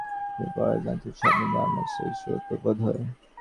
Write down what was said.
তুষারমগ্ন ব্যক্তিদের সম্বন্ধে যেমন পড়া যায়, মনুষ্যজাতি সম্বন্ধেও আমার সেইরূপই বোধ হয়।